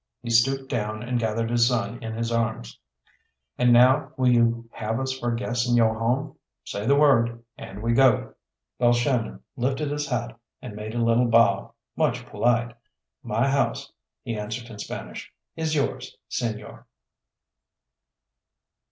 He stooped down and gathered his son in his arms. "And now, will you have us for guests in yo' home? Say the word, and we go." Balshannon lifted his hat and made a little bow, much polite. "My house," he answered in Spanish, "is yours, señor!"